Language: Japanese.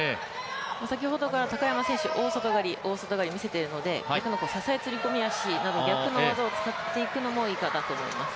先ほどから高山選手、大外刈りを見せているので支釣込足など逆の技を使っていくのもいいと思います。